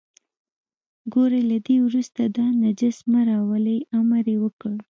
ګورئ له دې وروسته دا نجس مه راولئ، امر یې وکړ.